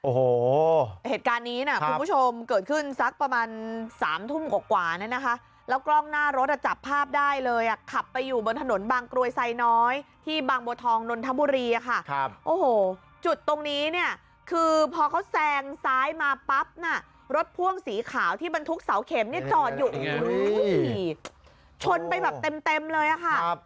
โอ้โหเหตุการณ์นี้นะคุณผู้ชมเกิดขึ้นสักประมาณสามทุ่มกว่าเนี่ยนะคะแล้วกล้องหน้ารถอ่ะจับภาพได้เลยอ่ะขับไปอยู่บนถนนบางกรวยไซน้อยที่บางบัวทองนนทบุรีอะค่ะครับโอ้โหจุดตรงนี้เนี่ยคือพอเขาแซงซ้ายมาปั๊บน่ะรถพ่วงสีขาวที่บรรทุกเสาเข็มเนี่ยจอดอยู่ชนไปแบบเต็มเต็มเลยอะค่ะ